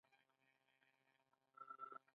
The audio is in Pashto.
نو څۀ موده پس به څۀ چل اوشي -